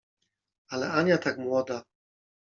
Ale Ania tak młoda…